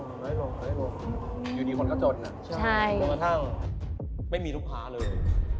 อยู่ดีคนก็จนอะประทั่งไม่มีลูกค้าเลย